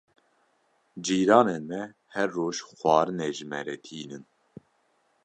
Cîranên me her roj xwarinê ji me re tînin.